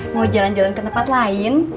mau jalan jalan ke tempat lain